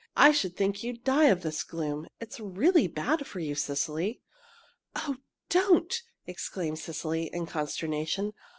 "I should think you'd die of this gloom. It's really bad for you, Cecily!" "Oh, don't!" exclaimed Cecily, in consternation.